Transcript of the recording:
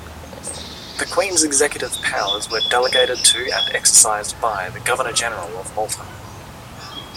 The Queen's executive powers were delegated to and exercised by the Governor-General of Malta.